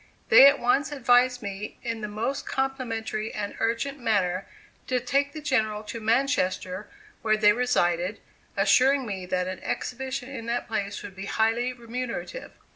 They at once advised me in the most complimentary and urgent manner to take the General to Manchester, where they resided, assuring me that an exhibition in that place would be highly remunerative.